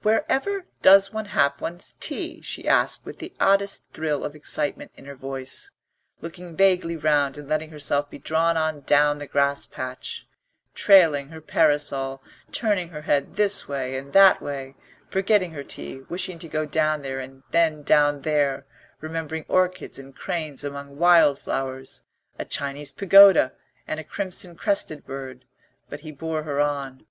"Wherever does one have one's tea?" she asked with the oddest thrill of excitement in her voice, looking vaguely round and letting herself be drawn on down the grass path, trailing her parasol, turning her head this way and that way, forgetting her tea, wishing to go down there and then down there, remembering orchids and cranes among wild flowers, a Chinese pagoda and a crimson crested bird; but he bore her on.